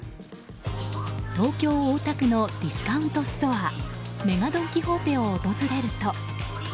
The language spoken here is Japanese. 東京・大田区のディスカウントストアＭＥＧＡドン・キホーテを訪れると。